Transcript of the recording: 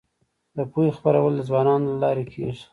د پوهې خپرول د ځوانانو له لارې کيږي.